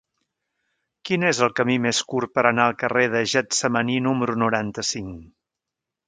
Quin és el camí més curt per anar al carrer de Getsemaní número noranta-cinc?